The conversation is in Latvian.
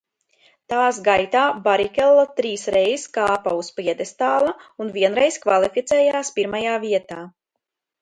Tās gaitā Barikello trīsreiz kāpa uz pjedestāla un vienreiz kvalificējās pirmajā vietā.